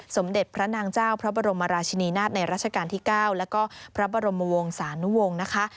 สมเด็จพระนางเจ้าพระบรมราชินีนาฏในราชการที่๙แล้วก็พระบรมวงศานุวงศ์นะคะ